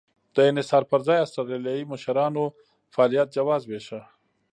د انحصار پر ځای اسټرالیایي مشرانو فعالیت جواز وېشه.